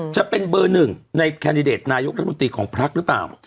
จะเป็นเบอร์หนึ่งในนายกรัฐมนตรีของพลักษณ์หรือเปล่า